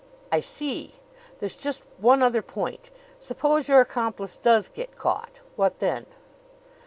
"I see. There's just one other point: Suppose your accomplice does get caught what then?"